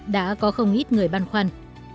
đã có không ít người băn khoăn